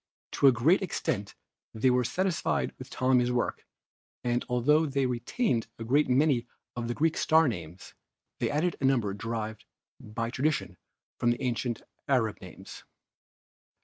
To a great extent they were satisfied with Ptolemy's work, and altho they retained a great many of the Greek star names, they added a number derived by tradition from the ancient Arab names.